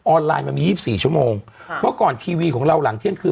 ไลน์มันมี๒๔ชั่วโมงเมื่อก่อนทีวีของเราหลังเที่ยงคืน